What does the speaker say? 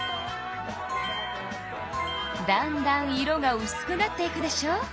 だんだん色がうすくなっていくでしょ？